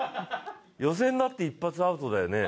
予選だって一発アウトだよね。